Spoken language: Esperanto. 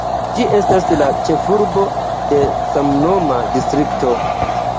Ĝi estas la ĉefurbo de samnoma distrikto.